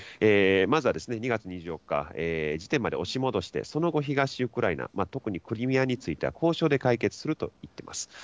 まずは、２月２４日時点まで押し戻して、その後、東ウクライナ、特にクリミアについては、交渉で解決すると言っています。